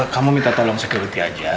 kamu minta tolong security aja